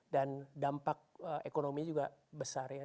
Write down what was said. dan dampak ekonominya juga besar ya